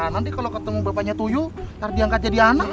nanti kalo ketemu bapaknya tuyul ntar diangkat jadi anak